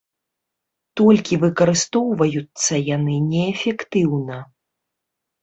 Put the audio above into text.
Толькі выкарыстоўваюцца яны неэфектыўна.